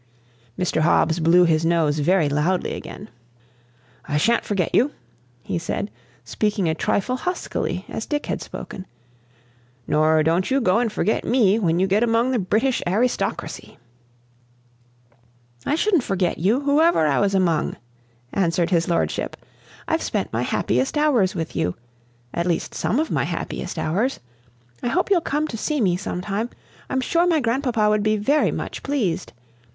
Mr. Hobbs blew his nose very loudly again. "I sha'n't forget you," he said, speaking a trifle huskily, as Dick had spoken; "nor don't you go and forget me when you get among the British arrystocracy." "I shouldn't forget you, whoever I was among," answered his lordship. "I've spent my happiest hours with you; at least, some of my happiest hours. I hope you'll come to see me sometime. I'm sure my grandpapa would be very much pleased.